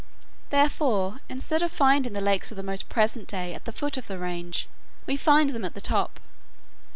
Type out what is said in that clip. Therefore, instead of finding the lakes of the present day at the foot of the range, we find them at the top.